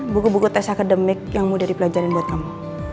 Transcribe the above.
buku buku tesa kedemik yang mudah dipelajarin buat kamu